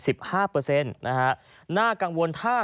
นะคะน่ากังวลถ้า